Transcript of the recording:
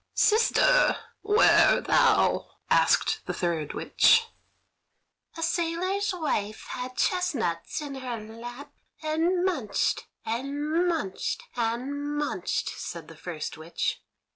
"Sister, where thou?" asked the third witch. "A sailor's wife had chestnuts in her lap, and munched, and munched, and munched," said the first witch.